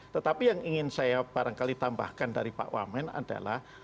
tetapi yang ingin saya barangkali tambahkan dari pak wamen adalah